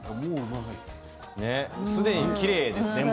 すでにきれいですね